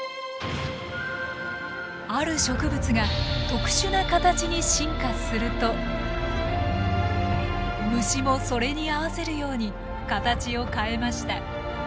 ある植物が特殊な形に進化すると虫もそれに合わせるように形を変えました。